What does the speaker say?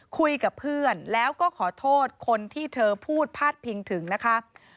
คุยกับเพื่อนแล้วก็ขอโทษคนที่เธอพูดพาดพิงถึงนะคะ